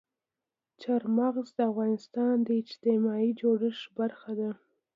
چار مغز د افغانستان د اجتماعي جوړښت برخه ده.